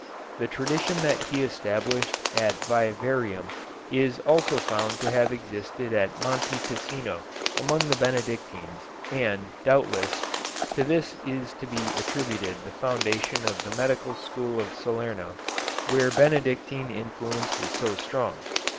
The tradition that he established at Vivarium is also found to have existed at Monte Cassino among the Benedictines, and, doubtless, to this is to be attributed the foundation of the medical school of Salerno, where Benedictine influence was so strong.